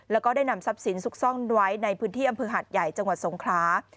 แล้วก็ได้นำทรัพย์สินซุกซ่อนไว้ในพื้นที่อำเภอหัดใหญ่จังหวัดสงครา